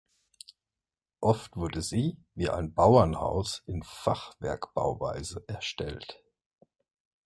Oft wurde sie, wie ein Bauernhaus, in Fachwerkbauweise erstellt.